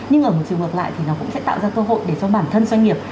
nhưng ở một chiều ngược lại thì nó cũng sẽ tạo ra cơ hội để cho bản thân doanh nghiệp